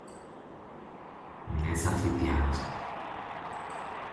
Minetzas fitianas.